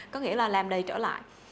có nghĩa là làm đầy trở lại